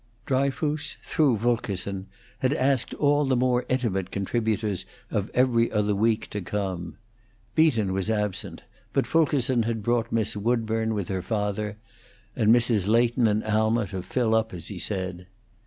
Dryfoos, through Fulkerson, had asked all the more intimate contributors of 'Every Other Week' to come. Beaton was absent, but Fulkerson had brought Miss Woodburn, with her father, and Mrs. Leighton and Alma, to fill up, as he said.